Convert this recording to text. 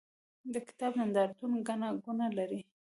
د کتاب نندارتونونه ګڼه ګوڼه لري.